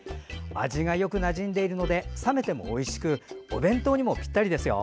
味がよくなじんでいるので冷めてもおいしくお弁当にもぴったりですよ。